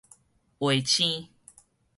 衛星